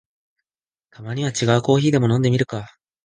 たまには違うコーヒーでも飲んでみるか